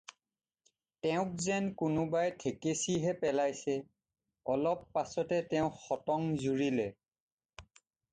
তেওঁক যেন কোনোবাই ঠেকেচি হে পেলাইছে! অলপ পাচতে তেওঁ সটং জুৰিলে।